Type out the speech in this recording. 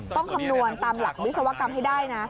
คำนวณตามหลักวิศวกรรมให้ได้นะ